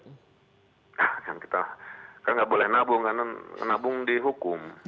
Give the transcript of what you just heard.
nah yang kita kan gak boleh nabung karena nabung dihukum